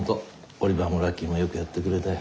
オリバーもラッキーもよくやってくれたよ。